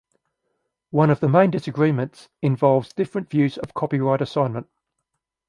One of the main disagreements involves different views of copyright assignment.